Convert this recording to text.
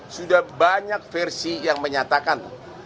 sudah banyak versi yang menyatakan